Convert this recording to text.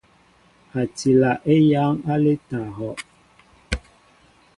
A tila yăŋ aleta ahɔʼ.